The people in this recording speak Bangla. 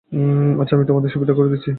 আচ্ছা, আমি তোমার সুবিধা করে দিচ্ছি।